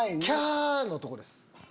キャ！のとこです。